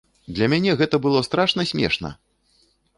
Для мяне гэта было страшна смешна!